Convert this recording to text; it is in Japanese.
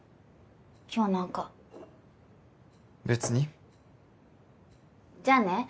今日何か別にじゃあね